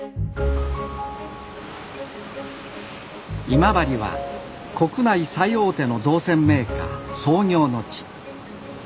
今治は国内最大手の造船メーカー創業の地。